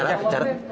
dapat apa aja